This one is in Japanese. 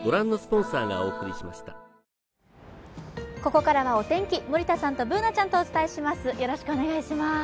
ここからはお天気、森田さんとＢｏｏｎａちゃんとお伝えします。